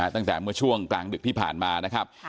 ตั้งแต่เมื่อช่วงกลางดึกที่ผ่านมานะครับ